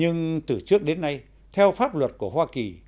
nhưng từ trước đến nay theo pháp luật của hoa kỳ